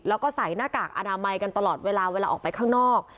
แล้วก็ใส่หน้ากากอนามัยกันตลอดเวลาเวลาออกไปข้างนอก